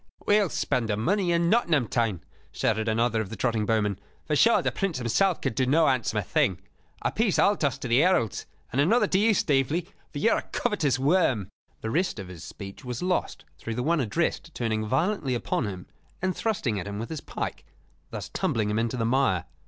"We will spend the money in Nottingham town," shouted another of the trotting bowmen. "For sure the Prince himself could do no handsomer thing. A piece I'll toss to the heralds, and another to you, Staveley, for you are a covetous worm " The rest of his speech was lost through the one addressed turning violently upon him and thrusting at him with his pike, thus tumbling him into the mire.